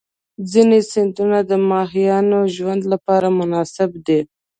ځینې سیندونه د ماهیانو ژوند لپاره مناسب دي.